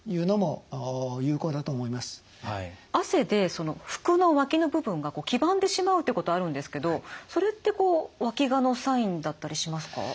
汗で服のわきの部分が黄ばんでしまうってことあるんですけどそれってわきがのサインだったりしますか？